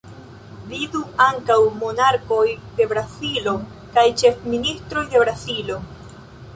Vidu ankaŭ Monarkoj de Brazilo kaj Ĉefministroj de Brazilo.